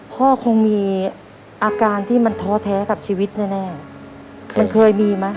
พ่อคงมีอาการที่มันท้อแท้กับชีวิตแน่มันเคยมีไหม